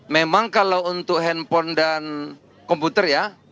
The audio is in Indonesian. memang kalau untuk handphone dan komputer ya